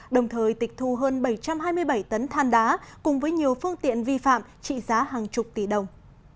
đồng thời tịch thu hơn bảy trăm hai mươi bảy tấn than đá cùng với nhiều phương tiện vi phạm trị giá hàng chục tỷ đồng